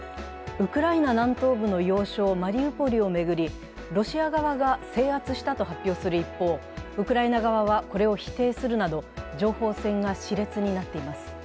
ウクライナ南東部の要衝マリウポリを巡り、ロシア側が制圧したと発表する一方、ウクライナ側はこれを否定するなど情報戦がしれつになっています。